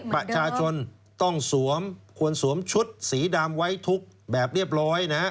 ประชาชนต้องสวมควรสวมชุดสีดำไว้ทุกแบบเรียบร้อยนะฮะ